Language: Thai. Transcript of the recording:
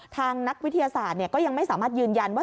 ทางนักวิทยาศาสตร์ก็ยังไม่สามารถยืนยันว่า